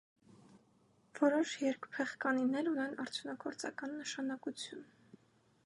Որոշ երկփեղկանիներ ունեն արդյունագործական նշանակություն։